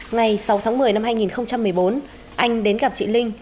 ngày sáu tháng một mươi năm hai nghìn một mươi bốn anh đến gặp chị linh